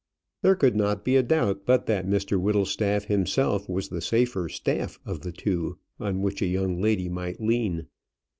There could not be a doubt but that Mr Whittlestaff himself was the safer staff of the two on which a young lady might lean.